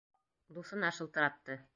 Дуҫына шылтыратты.